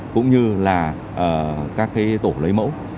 cũng như là các tổ lấy mẫu